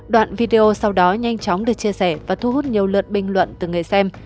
đoạn video sau đó nhanh chóng được chia sẻ và thu hút nhiều lượt bình luận từ người xem